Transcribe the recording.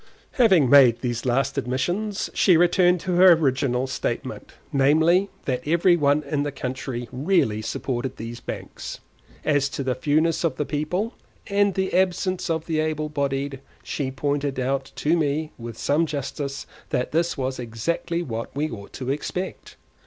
Having made these last admissions, she returned to her original statement, namely, that every one in the country really supported these banks. As to the fewness of the people, and the absence of the able bodied, she pointed out to me with some justice that this was exactly what we ought to expect.